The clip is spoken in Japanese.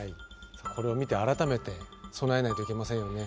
これを見て改めて備えないといけませんよね。